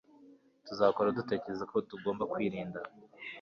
Tuzakora dutekereza ko tugomba kwirinda